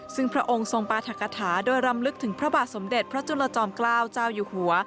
ซึ่งพระองค์ทรงปราธกฐาโดยรำลึกถึงพระบาทสมเด็จพระจุลจอมเกล้าเจ้าอยู่หัว